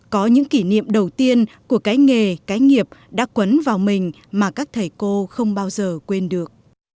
có những kỷ niệm đầu tiên của cái nghề cái nghiệp đã quấn vào mình mà các thầy cô không bao giờ quên được